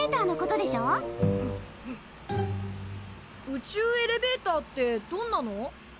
宇宙エレベーターってどんなの？